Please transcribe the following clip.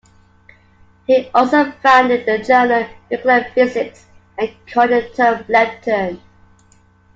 He also founded the journal "Nuclear Physics" and coined the term lepton.